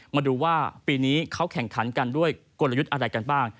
มาดูว่าปีนี้เขาแข่งขันกันด้วยกลยุทธ์อะไรกันบ้าง